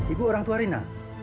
ibu orang tua rina